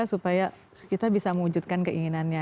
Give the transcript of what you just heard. supaya kita bisa mewujudkan keinginannya